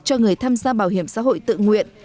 cho người tham gia bảo hiểm xã hội tự nguyện